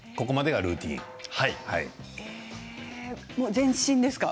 全身ですか？